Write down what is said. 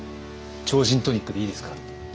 「超人トニック」でいいですか？